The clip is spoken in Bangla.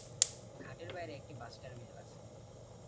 ঘাটের বাইরে একটি বাস টার্মিনাস আছে।